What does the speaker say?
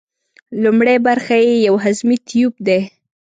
لومړۍ برخه یې یو هضمي تیوپ دی.